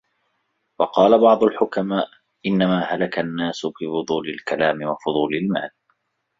وَقَالَ بَعْضُ الْحُكَمَاءِ إنَّمَا هَلَكَ النَّاسُ بِفُضُولِ الْكَلَامِ وَفُضُولِ الْمَالِ